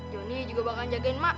joni juga bakal jagain mak